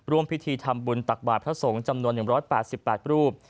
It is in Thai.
ร่วมพิธีทำบุญตักบาทพระสงฆ์จำนวน๑๘๘รูป